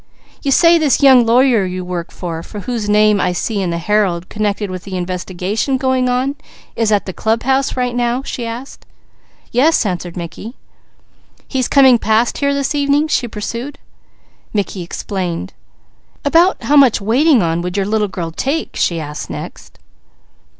"You say this young lawyer you work for, whose name I see in the Herald connected with the investigation going on, is at the club house now?" she asked. "Yes," answered Mickey. "He's coming past here this evening?" she pursued. Mickey explained. "About how much waiting on would your little girl take?" she asked next.